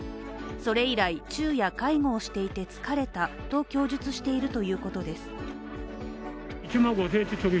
それ以来、昼夜介護をしていて疲れたと供述しているということです。